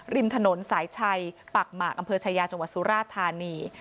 ริมถนนสายชัยปากหมากอำเภอชายาจังหวัดสุราธานี